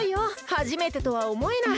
はじめてとはおもえない！